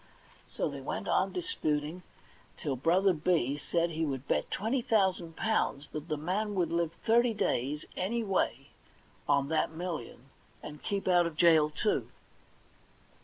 So they went on disputing till Brother B said he would bet twenty thousand pounds that the man would live thirty days, any way, on that million, and keep out of jail, too.